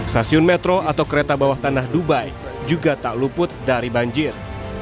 stasiun metro atau kereta bawah tanah dubai juga tak luput dari banjir